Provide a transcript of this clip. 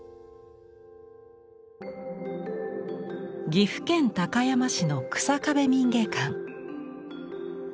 岐阜県高山市の日下部民藝館。